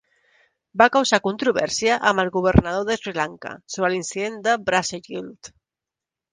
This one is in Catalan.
Va causar controvèrsia amb el governador de Sri Lanka sobre l'incident de Bracegirdle.